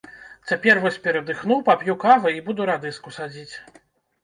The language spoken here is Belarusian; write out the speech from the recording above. Цяпер вось перадыхну, пап'ю кавы і буду радыску садзіць.